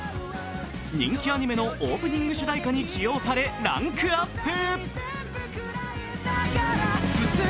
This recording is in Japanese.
人気アニメのオープニング主題歌に起用されランクアップ。